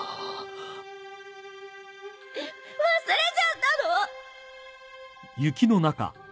忘れちゃったの！？